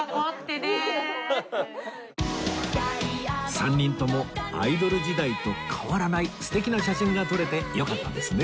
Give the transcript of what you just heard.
３人ともアイドル時代と変わらない素敵な写真が撮れてよかったですね